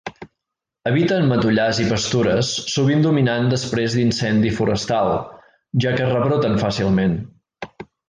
Habita en matollars i pastures, sovint dominant després d'incendi forestal, ja que rebroten fàcilment.